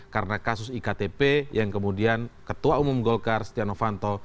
karena kasus iktp yang kemudian ketua umum golkar stiano vanto